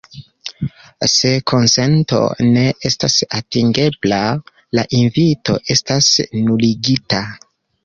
Se konsento ne estas atingebla, la invito estas nuligita.